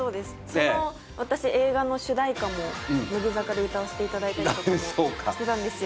その私映画の主題歌も乃木坂で歌わせていただいたりとかもしてたんですよ